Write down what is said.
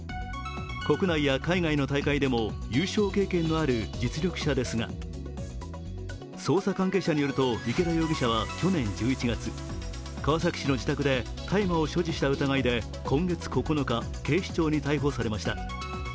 国内や海外の大会でも優勝経験のある実力者ですが、捜査関係者によると池田容疑者は去年１１月、川崎市の自宅で大麻を所持した疑いで今月９日、警視庁に逮捕されました。